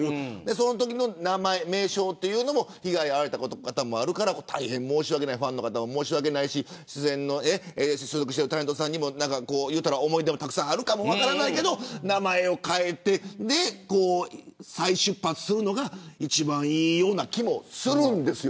そのときの名称は被害に遭われた方のこともあるからファンの方に、申し訳ないし所属タレントにも思い出もたくさんあるかも分からないけど、名前を変えて再出発するのが一番いいような気もするんですよ。